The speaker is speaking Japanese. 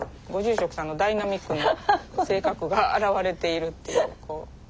ご住職さんのダイナミックな性格が表れているっていうこう。